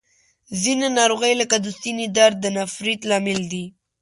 ځینې ناروغۍ لکه د ستوني درد د نفریت لامل دي.